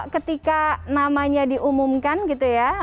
ketika namanya diumumkan gitu ya